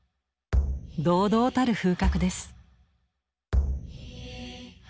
堂々たる風格です。